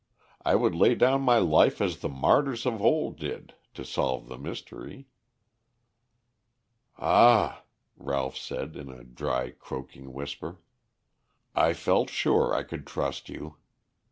I would lay down my life as the martyrs of old did to solve the mystery." "Ah," Ralph said, in a dry, croaking whisper. "I felt sure I could trust you.